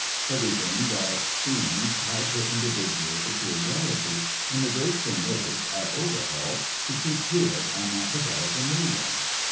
Everything that steams has her individual pecuHarity, and the great thing is, at overhaul, to keep to it and not develop a new one.